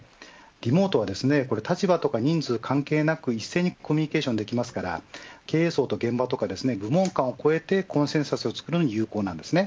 リモートは立場とか人数関係なく一斉にコミュニケーションできますから経営層と現場とか部門間を超えてコンセンサスを作るのに有効なんですね。